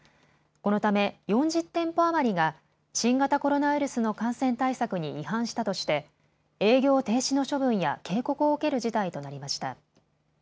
このため、４０店舗余りが新型コロナウイルスの感染対策に違反したとして営業停止の処分や警告を受ける事態となりました。